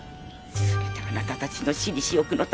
全てあなたたちの私利私欲のため。